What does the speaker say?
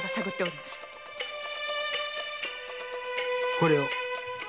これを。